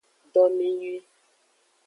Domenyui.